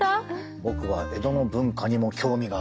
僕は江戸の文化にも興味があります！